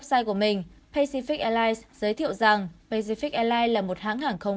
website của mình pacific airlines giới thiệu rằng pacific airlines là một hãng hàng không